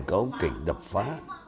cấu kỉnh đập phá